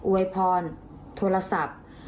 วยพรโทรศัพท์